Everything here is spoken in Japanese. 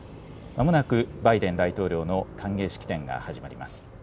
まもなくバイデン大統領の歓迎式典が始まります。